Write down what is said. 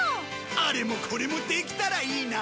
あれもこれもできたらいいな！